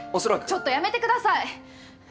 ちょっと、やめてください！